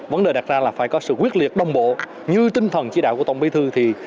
vấn đề đặt ra là phải có sự quyết liệt đồng bộ như tinh thần chỉ đạo của tổng bí thư thì